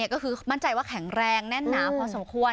ก็คือมั่นใจว่าแข็งแรงแน่นหนาพอสมควร